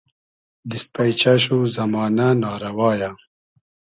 دیست پݷچۂ شو زئمانۂ نا رئوا یۂ